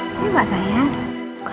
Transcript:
nek nenek mau beli apa